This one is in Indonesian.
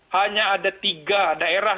hanya ada tiga daerah